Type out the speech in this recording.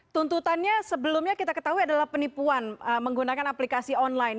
tuntutannya sebelumnya kita ketahui adalah penipuan menggunakan aplikasi online